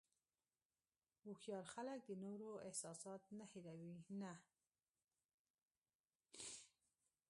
هوښیار خلک د نورو احساسات نه هیروي نه.